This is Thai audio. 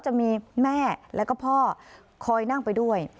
จะมีแม่แล้วก็พ่อคอยนั่งไปด้วย